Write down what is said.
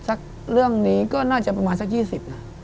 เรื่องนี้ก็น่าจะประมาณสัก๒๐นะ